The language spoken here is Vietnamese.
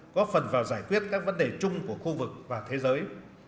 góp phần vào giải quyết các vấn đề chung của khu vực và thế giới